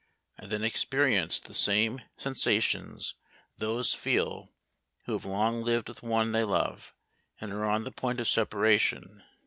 I then experienced the same sensations those feel who have long lived with one they love, and are on the point of separation.